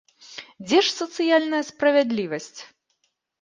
Дзе ж сацыяльная справядлівасць?